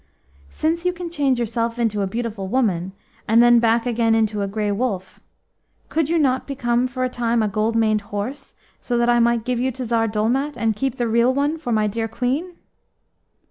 "Since you can change yourself into a beautiful woman, and then back again into a Grey Wolf, could you not become for a time a gold maned horse, so that I might give you to Tsar Dolmat, and keep the real one for my dear Queen?"